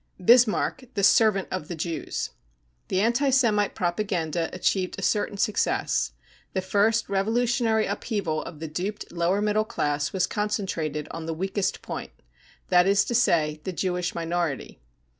Bismarck the " Servant of the Jews. 5 ' The anti Semite propaganda achieved a certain success : the first revolutionary upheaval of the duped lower middle class was concentrated on the weakest point, that is to say, the Jewish minority.